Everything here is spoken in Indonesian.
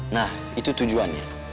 nah itu tujuannya